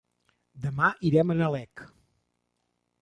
Demà irem a Nalec.